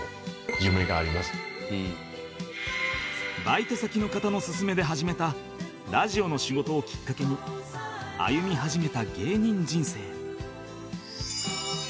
バイト先の方の勧めで始めたラジオの仕事をきっかけに歩み始めた芸人人生